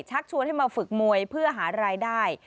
ชวนให้มาฝึกมวยเพื่อหารายได้